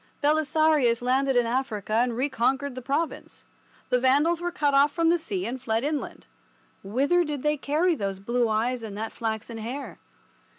Belisarius landed in Africa and reconquered the province. The Vandals were cut off from the sea and fled inland. Whither did they carry those blue eyes and that flaxen hair?